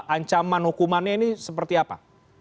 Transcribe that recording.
ancaman hukumannya ini seperti apa